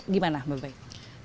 gimana mbak baik